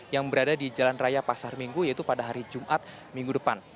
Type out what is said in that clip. yang berada di jalan raya pasar minggu yaitu pada hari jumat minggu depan